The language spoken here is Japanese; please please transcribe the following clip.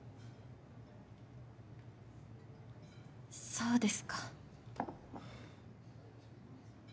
そうですか。